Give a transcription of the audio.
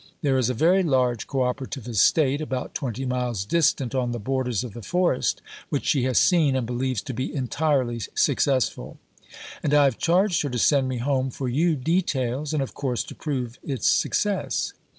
There is a very large Co operative Estate about 20 miles distant on the borders of the Forest, which she has seen and believes to be entirely successful. And I have charged her to send me home (for you) details and of course to prove its success.